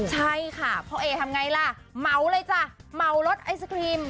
ใช่ค่ะพ่อเอทำไงล่ะเหมาเลยจ้ะเหมารถไอศครีม